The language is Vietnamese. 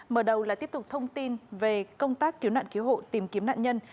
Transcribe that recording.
mở đầu là tiếp tục thông tin về công tác cứu nạn cứu hộ tìm kiếm nạn nhân